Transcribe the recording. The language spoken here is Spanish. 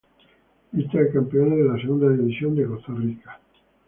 Lista de campeones de la Segunda División de Costa Rica.